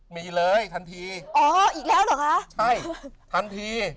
มีเลยทันที